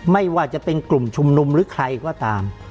ไม่ว่าจะเป็นกลุ่มชุมนุมหรือใครก็ตาม